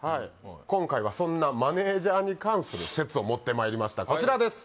今回はそんなマネージャーに関する説を持ってまいりましたこちらです